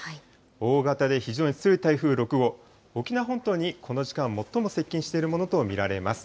大型で非常に強い台風６号、沖縄本島にこの時間、最も接近しているものと見られます。